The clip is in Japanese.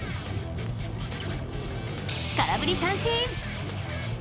空振り三振。